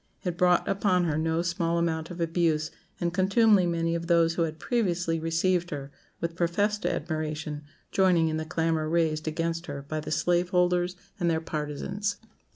It brought upon her no small amount of abuse and contumely, many of those who had previously received her with professed admiration joining in the clamour raised against her by the slave holders and their partisans.